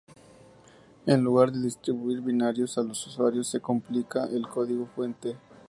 En lugar de distribuir binarios a los usuarios, se compila el código fuente.